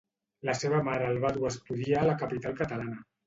La seva mare el va dur a estudiar a la capital catalana.